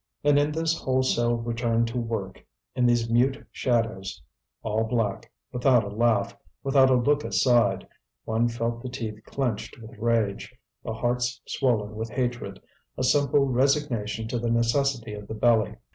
And in this wholesale return to work, in these mute shadows, all black, without a laugh, without a look aside, one felt the teeth clenched with rage, the hearts swollen with hatred, a simple resignation to the necessity of the belly.